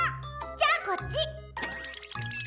じゃあこっち！